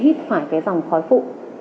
hít phải cái dòng khói phụ